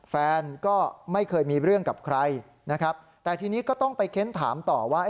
แฟนก็ไม่เคยมีเรื่องกับใครนะครับแต่ทีนี้ก็ต้องไปเค้นถามต่อว่า